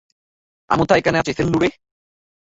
আমুথা এখানে আছে, সেল্লুরে।